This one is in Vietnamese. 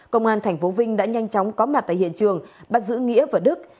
công an tp vinh đã nhanh chóng có mặt tại hiện trường bắt giữ nghĩa và đức